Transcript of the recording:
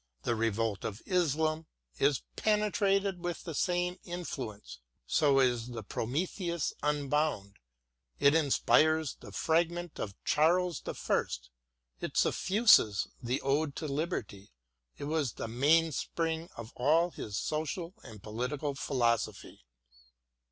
" The Revolt of Islam " is penetrated with the same influence ; so is the " Prometheus Unbound "; it inspires the Fragment of " Charles the First "; it suffuses the " Ode to Liberty." It was the mainspring of all his social and political philosophy.